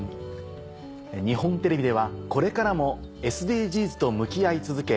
日本テレビではこれからもＳＤＧｓと向き合い続け